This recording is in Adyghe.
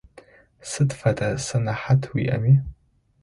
Сыд фэдэ сэнэхьат уиIэми.